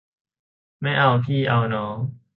ไม่เอาพี่เอาน้อง